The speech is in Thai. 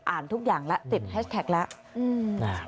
ทุกอย่างแล้วติดแฮชแท็กแล้ว